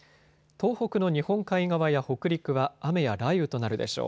東北の日本海側や北陸は雨や雷雨となるでしょう。